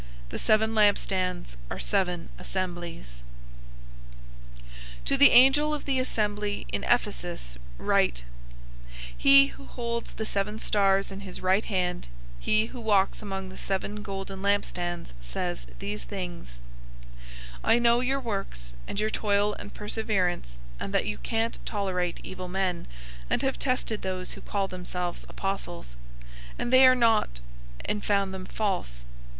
The seven lampstands are seven assemblies. 002:001 "To the angel of the assembly in Ephesus write: "He who holds the seven stars in his right hand, he who walks among the seven golden lampstands says these things: 002:002 "I know your works, and your toil and perseverance, and that you can't tolerate evil men, and have tested those who call themselves apostles, and they are not, and found them false.